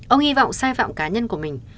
ông hy vọng sai phạm cá nhân của mình